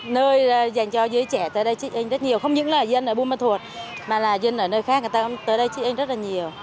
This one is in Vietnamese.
nơi dành cho dưới trẻ tới đây chích anh rất nhiều không những là dân ở bù mật thuột mà là dân ở nơi khác người ta cũng tới đây chích anh rất là nhiều